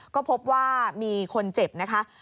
ก็พบว่ามีคนเจ็บนะคะ